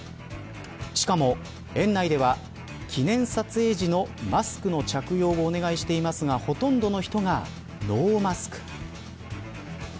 しかも園内では記念撮影時のマスクの着用をお願いしていますがほとんどの人がノーマスク。